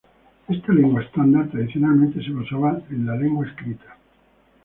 Esta lengua estándar, tradicionalmente, se basaba en la lengua escrita.